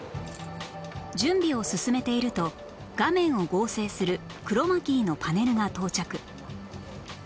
準備を進めていると画面を合成するクロマキーのパネルが到着